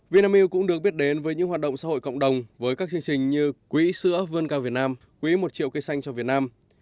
vinamilk cũng được biết đến với những hoạt động xã hội cộng đồng với các chương trình như quỹ sữa vươn cao việt nam quỹ một triệu cây xanh cho việt nam